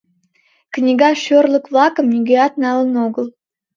Книга шӧрлык-влакым нигӧат налын огыл.